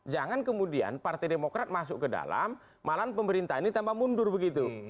jangan kemudian partai demokrat masuk ke dalam malahan pemerintah ini tambah mundur begitu